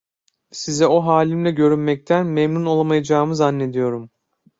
Size o halimle görünmekten memnun olmayacağımı zannediyorum…